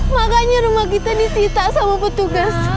makanya rumah kita disita sama petugas